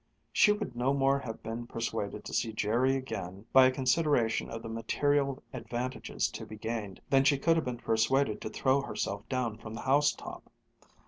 She would no more have been persuaded to see Jerry again, by a consideration of the material advantages to be gained, than she could have been persuaded to throw herself down from the housetop.